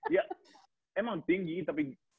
ya emang tinggi tapi